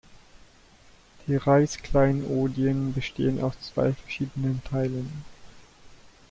Die Reichskleinodien bestehen aus zwei verschiedenen Teilen.